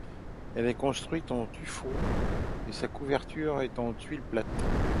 Elle est construite en tuffeau et sa couverture est en tuile plate.